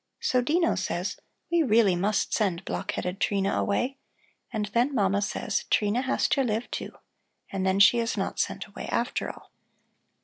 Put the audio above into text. So Dino says: 'We really must send block headed Trina away.' And then Mama says: 'Trina has to live, too.' And then she is not sent away after all."